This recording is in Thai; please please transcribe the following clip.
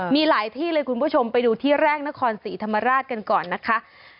มีหลายที่เลยคุณผู้ชมไปดูที่แรกนครศรีธรรมราชกันก่อนนะคะ